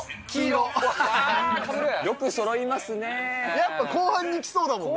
やっぱ後半にきそうだもんね。